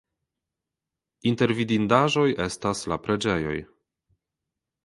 Inter vidindaĵoj estas la preĝejoj.